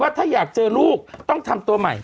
ถ้าอยากเจอลูกต้องทำตัวใหม่